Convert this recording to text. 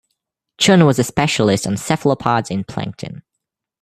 Chun was a specialist on cephalopods and plankton.